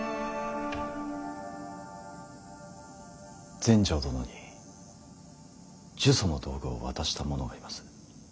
全成殿に呪詛の道具を渡した者がいます。